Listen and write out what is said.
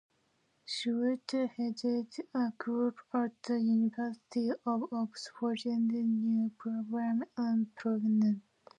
She later headed a group at the University of Oxford researching problems of pregnancy.